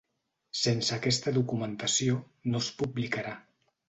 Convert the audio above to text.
Sense aquesta documentació, no es publicarà.